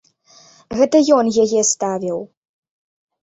Гэта ён яе ставіў.